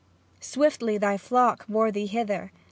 Swiftly thy flock bore thee hither.